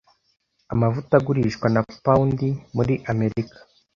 Amavuta agurishwa na pound muri Amerika.